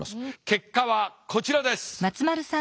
結果はこちらです。